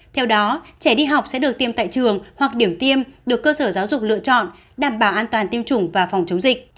theo đó trẻ đi học sẽ được tiêm tại trường hoặc điểm tiêm được cơ sở giáo dục lựa chọn đảm bảo an toàn tiêm chủng và phòng chống dịch